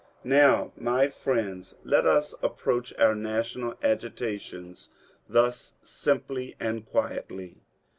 Now, my friends, let us approach our national agitations thus simply and quietly.